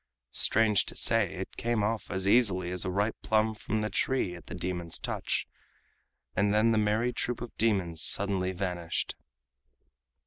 Strange to say, it came off as easily as a ripe plum from the tree at the demon's touch, and then the merry troop of demons suddenly vanished.